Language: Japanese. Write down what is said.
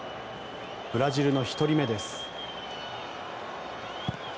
ブラジルの１人目です。